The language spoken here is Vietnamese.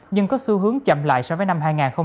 nhưng có xu hướng chậm lại so với năm hai nghìn một mươi bảy